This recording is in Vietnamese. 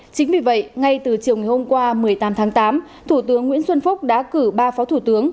chính vì vậy ngay từ chiều ngày hôm qua một mươi tám tháng tám thủ tướng nguyễn xuân phúc đã cử ba phó thủ tướng